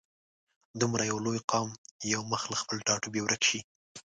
دومره یو لوی قام یو مخ له خپل ټاټوبي ورک شي.